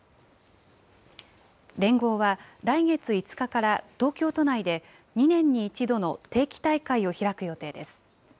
連合は来月５日から東京都内で２年に１度の定期大会を開く予定です。